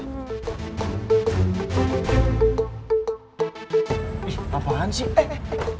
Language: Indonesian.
eh apaan sih